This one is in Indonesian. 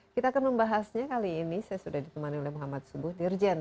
kita akan membahasnya kali ini saya sudah ditemani oleh muhammad subuh dirjen